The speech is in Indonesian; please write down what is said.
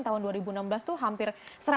tahun dua ribu enam belas itu hampir